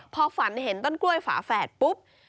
พอฝันเห็นต้นกล้วยฝาแฝดปุ๊บ